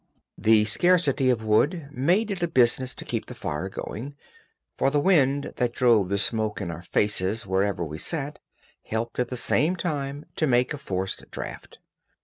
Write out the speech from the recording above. The scarcity of wood made it a business to keep the fire going, for the wind, that drove the smoke in our faces wherever we sat, helped at the same time to make a forced draught.